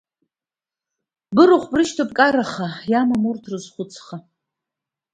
Бырахә брышьҭоуп бкараха, имам урҭ рызхәыцха.